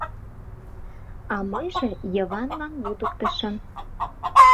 А мыйже Йыванлан лудыктышым.